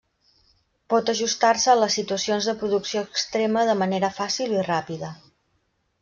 Pot ajustar-se a les situacions de producció extrema de manera fàcil i ràpida.